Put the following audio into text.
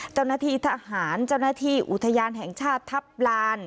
เจ้าหน้าที่ทหารเจ้าหน้าที่อุทยานแห่งชาติทัพลาน